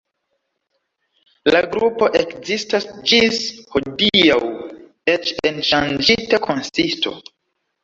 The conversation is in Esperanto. La grupo ekzistas ĝis hodiaŭ eĉ en ŝanĝita konsisto.